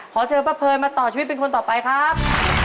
ขอเชิญป้าเพยมาต่อชีวิตเป็นคนต่อไปครับ